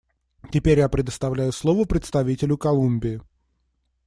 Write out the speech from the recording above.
Теперь я предоставляю слово представителю Колумбии.